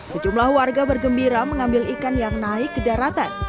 sejumlah warga bergembira mengambil ikan yang naik ke daratan